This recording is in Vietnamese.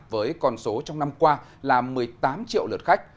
với con số trong năm qua là một mươi tám triệu lượt khách